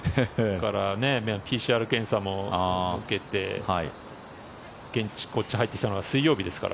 ＰＣＲ検査も受けて現地、こっちに入ってきたのが水曜日ですから。